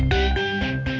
terima kasih bu